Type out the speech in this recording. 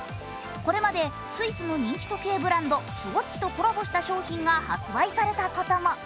これまでスイスの人気時計ブランドスウォッチとコラボした商品が発売されたことも。